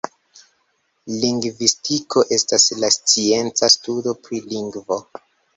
Lingvistiko estas la scienca studo pri lingvo.